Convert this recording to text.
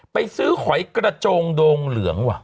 ไปซื้อหอยกระโจงโดงเหลืองว่ะ